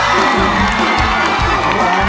ร้องได้ให้ร้าง